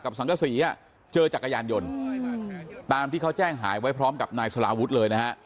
สังกษีเจอจักรยานยนต์ตามที่เขาแจ้งหายไว้พร้อมกับนายสลาวุฒิเลยนะฮะ